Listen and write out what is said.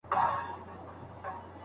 موږ پر وختي سهار حرکت کړی.